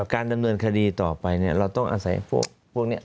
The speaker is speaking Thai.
การดำเนินคดีต่อไปเนี่ยเราต้องอาศัยพวกนี้